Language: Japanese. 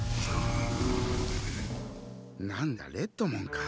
何だレッドモンか。